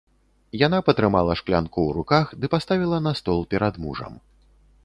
Яна патрымала шклянку ў руках ды паставіла на стол перад мужам.